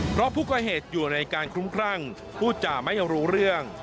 เพราะผู้ก่อเหตุอยู่ในการคลุ้มครั่งพูดจาไม่รู้เรื่อง